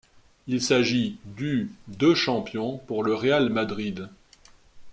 Il s'agit du de champion pour le Real Madrid.